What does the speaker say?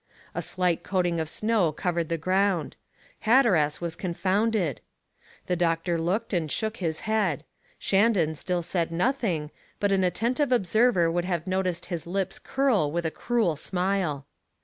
A slight coating of snow covered the ground. Hatteras was confounded. The doctor looked and shook his head. Shandon still said nothing, but an attentive observer would have noticed his lips curl with a cruel smile.